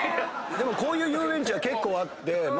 でもこういう遊園地は結構あって。